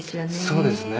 「そうですね。